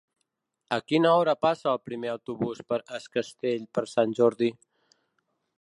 A quina hora passa el primer autobús per Es Castell per Sant Jordi?